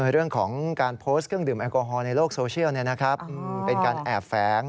เรื่องของการโพสต์เครื่องดื่มแอลกอฮอล์ในโลกโซเชียลเป็นการแอบแฝง